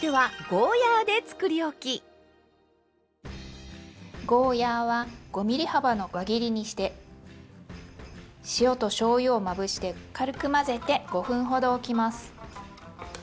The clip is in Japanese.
ゴーヤーは５ｍｍ幅の輪切りにして塩としょうゆをまぶして軽く混ぜて５分ほどおきます。